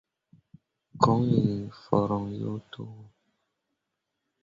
Coŋ hii foroŋ yo to wo.